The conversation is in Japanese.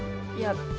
いや。